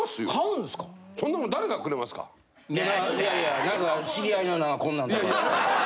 いやいや何か知り合いのこんなんとか。